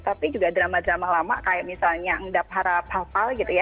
tapi juga drama drama lama kayak misalnya ndapara papal gitu ya